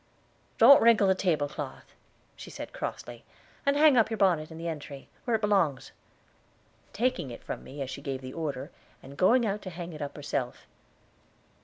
"Don't wrinkle the tablecloth," she said crossly; "and hang up your bonnet in the entry, where it belongs," taking it from me as she gave the order, and going out to hang it up herself.